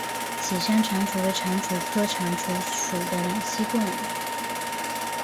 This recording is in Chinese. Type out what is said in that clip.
喜山蟾蜍为蟾蜍科蟾蜍属的两栖动物。